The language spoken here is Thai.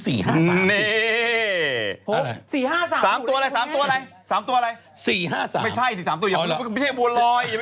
ปุ๊บ๓ตัวอะไร๓ตัว๓ตัวอะไร๓ตัวอะไร๔๕๓ไม่ใช่สามตัวนี้มันไม่ใช่บัวลอย